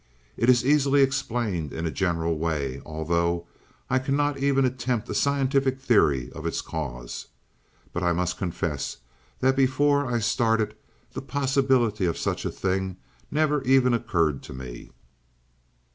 "It is easily explained in a general way, although I cannot even attempt a scientific theory of its cause. But I must confess that before I started the possibility of such a thing never even occurred to me."